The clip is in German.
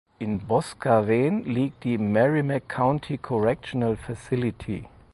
In Boscawen liegt die Merrimack County Correctional Facility.